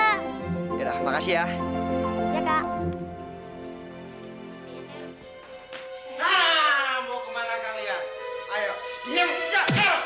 yaudah makasih ya